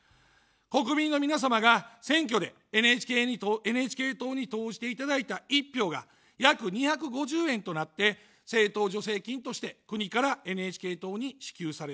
国民の皆様が選挙でＮＨＫ党に投じていただいた１票が約２５０円となって政党助成金として国からＮＨＫ党に支給されます。